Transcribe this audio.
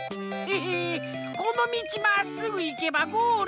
このみちまっすぐいけばゴールじゃん！